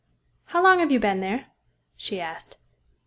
"How long have you been there?" she asked.